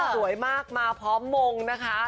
สวยมากมาพร้อมมงนะคะ